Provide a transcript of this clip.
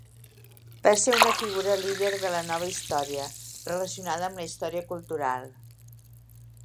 Va ser una figura líder de la Nova Història, relacionada amb la història cultural.